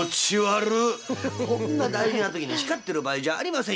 「こんな大事な時に光ってる場合じゃありませんよ！